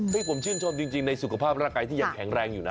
ผมชื่นชมจริงในสุขภาพร่างกายที่ยังแข็งแรงอยู่นะ